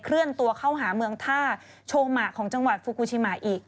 เลื่อนตัวเข้าหาเมืองท่าโชมะของจังหวัดฟูกูชิมะอีก